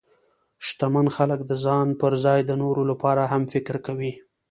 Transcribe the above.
شتمن خلک د ځان پر ځای د نورو لپاره هم فکر کوي.